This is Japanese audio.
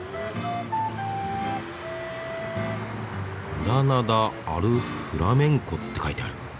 「グラナダ・アル・フラメンコ」って書いてある。